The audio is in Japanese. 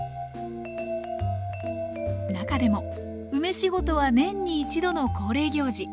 中でも梅仕事は年に一度の恒例行事。